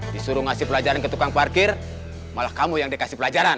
disuruh ngasih pelajaran ke tukang parkir malah kamu yang dikasih pelajaran